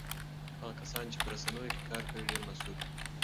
هغه کسان چې په رسنیو کې کار کوي ډېر مصروف وي.